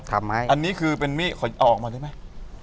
อ่าทำไหมอันนี้คือเป็นมี่ขอเอาออกมาด้วยไหม